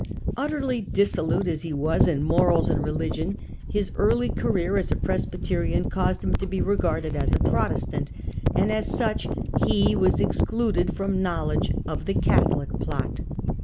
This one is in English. Utterly dissolute as he was in morals and religion, his early career as a Presbyterian caused him to be regarded as a Protestant, and, as such, he was excluded from knowledge of the Catholic plot.